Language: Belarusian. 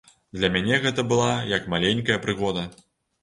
Для мяне гэта была як маленькая прыгода.